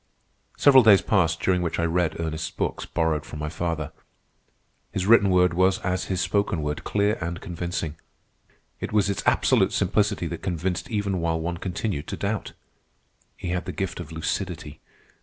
Several days passed during which I read Ernest's books, borrowed from my father. His written word was as his spoken word, clear and convincing. It was its absolute simplicity that convinced even while one continued to doubt. He had the gift of lucidity.